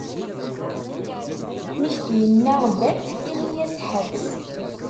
Mi k-d-inna: bat, ini-yas: ḥatt.